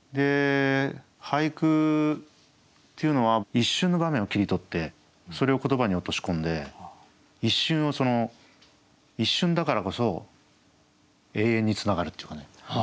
俳句っていうのは一瞬の場面を切り取ってそれを言葉に落とし込んで一瞬を一瞬だからこそ永遠につながるっていうかね。